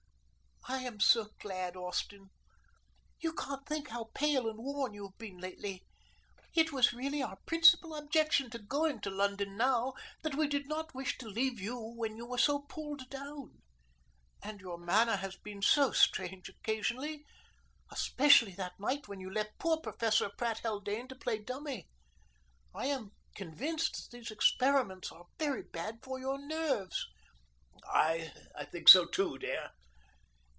"I am so glad, Austin. You can't think how pale and worn you have been lately. It was really our principal objection to going to London now that we did not wish to leave you when you were so pulled down. And your manner has been so strange occasionally especially that night when you left poor Professor Pratt Haldane to play dummy. I am convinced that these experiments are very bad for your nerves." "I think so, too, dear."